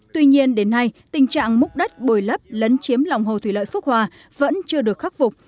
tuy nhiên đến nay tình trạng múc đất bồi lấp lấn chiếm lòng hồ thủy lợi phước hòa vẫn chưa được khắc phục